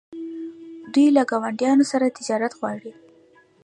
دوی له ګاونډیانو سره تجارت غواړي.